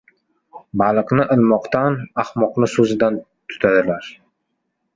• Baliqni ilmoqdan, ahmoqni so‘zidan tutadilar.